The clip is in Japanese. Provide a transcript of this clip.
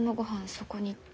そこにって。